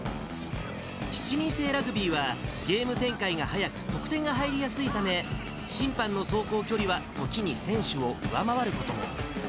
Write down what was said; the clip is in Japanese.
７人制ラグビーは、ゲーム展開が速く、得点が入りやすいため、審判の走行距離は時に選手を上回ることも。